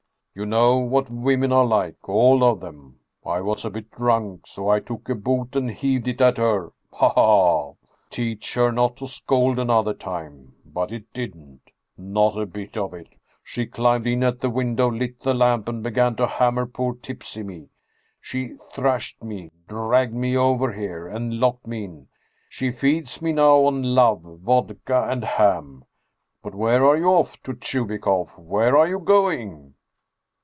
You know what women are like, all of them. I was a bit drunk, so I took a boot and heaved it at her. Ha ha ha! Teach her not to scold another time! But it didn't! Not a bit of it! She climbed in at the window, lit the lamp, and began to hammer poor tipsy me. She thrashed me, dragged me over here, and locked me in. She feeds me now on love, vodka, and ham! But where are you off to, Chubikoff? Where are you going?"